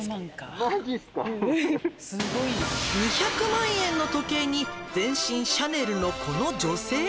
「２００万円の時計に全身シャネルのこの女性」